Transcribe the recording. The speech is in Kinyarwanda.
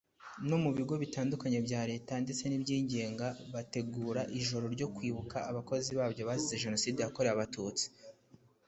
No mu bigo bitandukanye bya leta ndetse n’ibyigenga bategura ijoro ryo kwibuka abakozi babyo bazize Jenoside yakorewe abatutsi